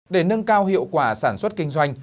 để nâng cao hiệu quả sản xuất kinh doanh